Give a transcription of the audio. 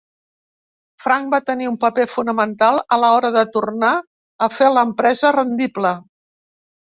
Frank va tenir un paper fonamental a l'hora de tornar a fer l'empresa rendible.